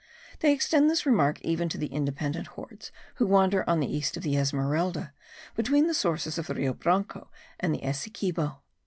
They extend this remark even to the independent hordes who wander on the east of the Esmeralda, between the sources of the Rio Branco and the Essequibo.